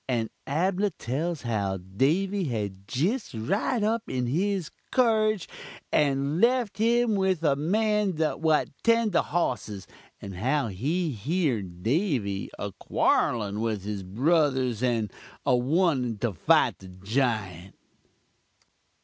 And Abnah tells how Davy had jist rid up in his carruge and left um with the man what tend the hossis and how he heern Davy a quorl'n with his bruthers and a wantun to fite the jiunt.